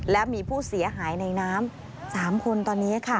และมีผู้เสียหายในน้ำ๓คนตอนนี้ค่ะ